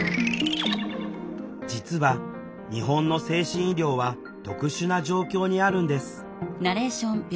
実は日本の精神医療は特殊な状況にあるんです。